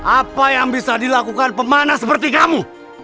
apa yang bisa dilakukan pemana seperti kamu